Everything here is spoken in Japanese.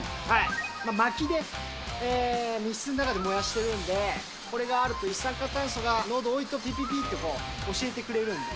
まきで水の中で燃やしてるんで、これがあると一酸化炭素が濃度多いとき、ぴぴぴっと教えてくれるんで。